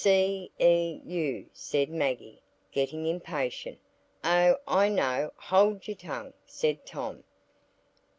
"C, e, u," said Maggie, getting impatient. "Oh, I know—hold your tongue," said Tom.